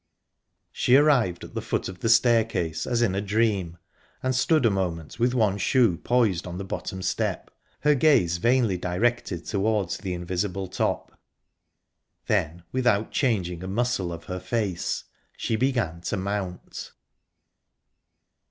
_ She arrived at the foot of the staircase as in a dream, and stood a moment with one shoe poised on the bottom step, her gaze vainly directed towards the invisible top. Then, without changing a muscle of her face, she began to mount.